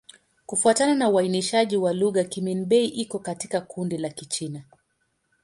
Kufuatana na uainishaji wa lugha, Kimin-Bei iko katika kundi la Kichina.